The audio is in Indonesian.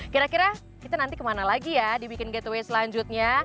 kira kira kita nanti kemana lagi ya dibikin gateway selanjutnya